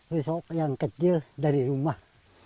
besok yang kecil dari rumah